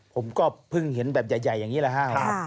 ผมก็เพิ่งเห็นแบบใหญ่อย่างนี้แหละครับ